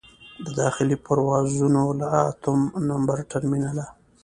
د داخلي پروازونو له اتم نمبر ټرمینله.